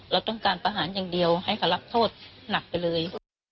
เราต้องการประหารอย่างเดียวให้เขารับโทษหนักไปเลย